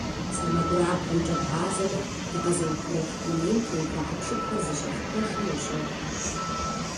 СэмэгурабгъумкӀэ бгъазэмэ, дыкъэзыухъуреихь дунейм теухуа хьэпшыпхэр зыщӏэлъ пэшым ущӀохьэ.